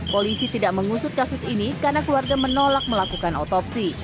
polisi tidak mengusut kasus ini karena keluarga menolak melakukan otopsi